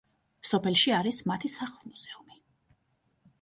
სოფელში არის მათი სახლ-მუზეუმი.